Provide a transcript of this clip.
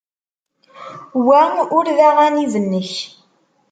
Wa ur d aɣanib-nnek.